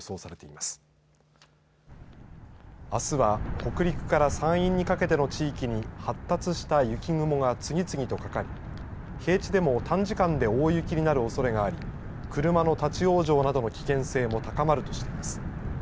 あすは北陸から山陰にかけて大雪に発達した雪雲が次々とかかり平地でも短時間で大雪になるおそれがあり車の立往生などの危険性も高まるとしています。